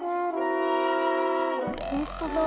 ほんとだ。